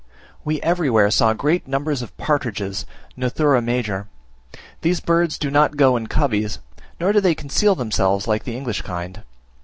We everywhere saw great numbers of partridges (Nothura major). These birds do not go in coveys, nor do they conceal themselves like the English kind.